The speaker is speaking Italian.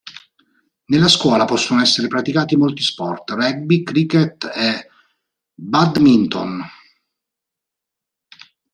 Nella scuola possono essere praticati molti sport: rugby, cricket e badminton.